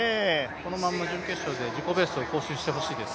このまま準決勝で自己ベストを更新してほしいです。